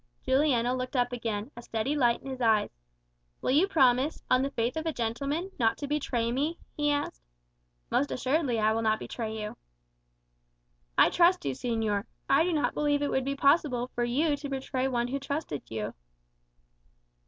Juliano looked up again, a steady light in his eyes. "Will you promise, on the faith of a gentleman, not to betray me?" he asked. "Most assuredly I will not betray you." "I trust you, señor. I do not believe it would be possible for you to betray one who trusted you."